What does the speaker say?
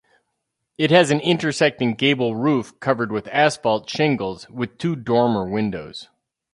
It has an intersecting gable roof covered with asphalt shingles with two dormer windows.